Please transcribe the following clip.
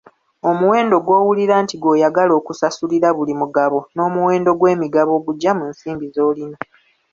Omuwendo gw'owulira nti gw'oyagala okusasulira buli mugabo n'omuwendo gw'emigabo ogugya mu nsimbi z'olina.